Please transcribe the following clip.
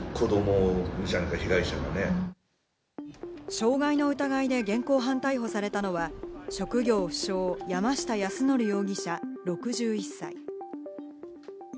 傷害の疑いで現行犯逮捕されたのは職業不詳、山下泰範容疑者６１歳。